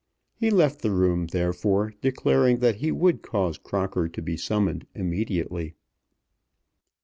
He left the room, therefore, declaring that he would cause Crocker to be summoned immediately.